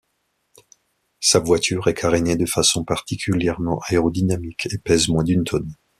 Sa voiture est carénée de façon particulièrement aérodynamique, et pèse moins d'une tonne.